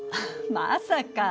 まさか。